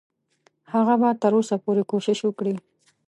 هغه به تر اوسه پورې کوشش وکړي.